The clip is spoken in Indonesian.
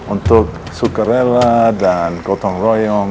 untuk sukarela dan kotong royong